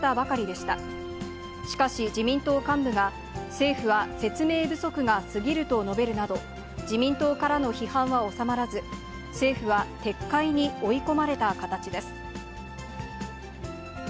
しかし自民党幹部が、政府は説明不足がすぎると述べるなど、自民党からの批判は収まらず、政府は撤回に追い込まれた形です。